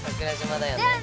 だよね！